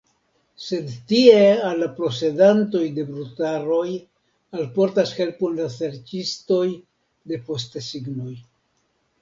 Sed tie al la posedantoj de brutaroj alportas helpon la serĉistoj de postesignoj.